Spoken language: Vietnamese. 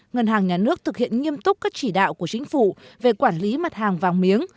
ngân hàng nhà nước thực hiện nghiêm túc các chỉ đạo của chính phủ về quản lý mặt hàng vàng miếng